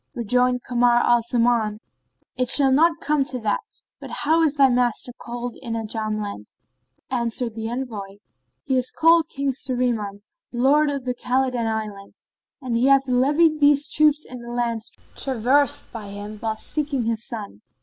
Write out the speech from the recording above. Rejoined Kamar al Zaman, "It shall not come to that; but how is thy master called in Ajam land?" Answered the envoy, "He is called King Shahriman, lord of the Khбlidan Islands; and he hath levied these troops in the lands traversed by him, whilst seeking his son."